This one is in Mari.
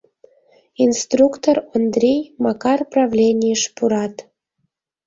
Инструктор, Ондрий, Макар правленийыш пурат.